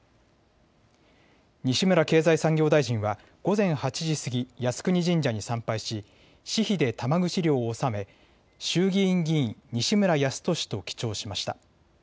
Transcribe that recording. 西村経済産業大臣は午前８時過ぎ、靖国神社に参拝し私費で玉串料を納め衆議院議員西村康稔と記帳しました。